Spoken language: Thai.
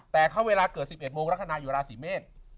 แต่เขาเวลาเกิด๑๑โมงลักษณายุราสีเมศ